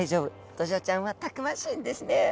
ドジョウちゃんはたくましいんですね。